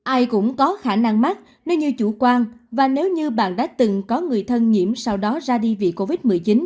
ai cũng có khả năng mắc nếu như chủ quan và nếu như bạn đã từng có người thân nhiễm sau đó ra đi vì covid một mươi chín